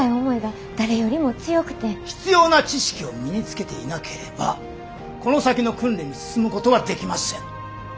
必要な知識を身につけていなければこの先の訓練に進むことはできません。